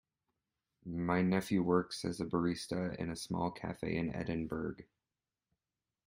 My nephew works as a barista in a small cafe in Edinburgh.